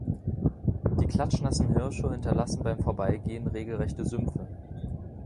Die klatschnassen Hirsche hinterlassen beim vorbeigehen regelrechte Sümpfe.